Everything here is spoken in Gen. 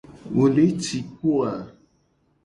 Wo le ci kpo a?